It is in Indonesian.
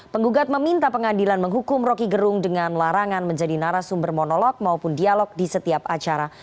penggugat meminta pengadilan menghukum roky gerung dengan larangan menjadi narasumber monolog maupun dialog di setiap acara